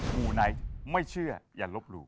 มูไนท์ไม่เชื่ออย่ารับรู้